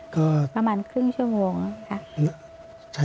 ก็ประมาณครึ่งชั่วโมงค่ะ